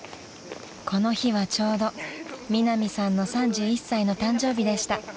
［この日はちょうどミナミさんの３１歳の誕生日でした］